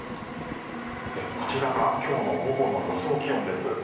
こちらが今日の午後の予想気温です。